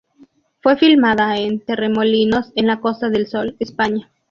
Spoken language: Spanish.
Fue filmada en Torremolinos en la Costa del Sol, España.